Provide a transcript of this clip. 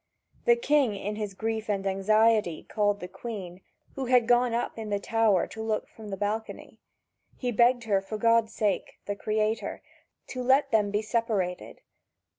The king in his grief and anxiety called the Queen, who had gone up in the tower to look out from the balcony: he begged her for God's sake, the Creator, to let them be separated.